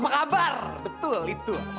apa kabar artinya